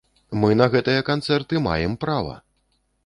Мы на гэтыя канцэрты маем права!